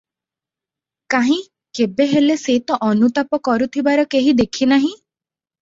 କାହିଁ, କେବେହେଲେ ସେ ତ ଅନୁତାପ କରୁଥିବାର କେହି ଦେଖିନାହିଁ?